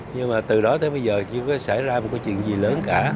nhưng mà từ đó tới bây giờ chưa có xảy ra một cái chuyện gì lớn cả